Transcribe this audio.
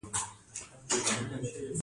ایا زه باید تراکتور وچلوم؟